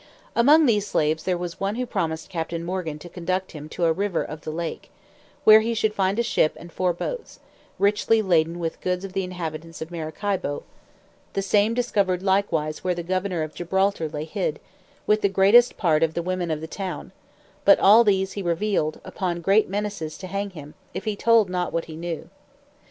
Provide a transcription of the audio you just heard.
Among these slaves was one who promised Captain Morgan to conduct him to a river of the lake, where he should find a ship and four boats, richly laden with goods of the inhabitants of Maracaibo: the same discovered likewise where the governor of Gibraltar lay hid, with the greatest part of the women of the town; but all this he revealed, upon great menaces to hang him, if he told not what he knew.